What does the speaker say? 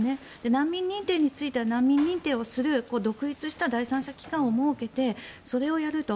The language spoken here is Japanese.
難民認定については難民認定をする独立した第三者機関を設けてそれをやると。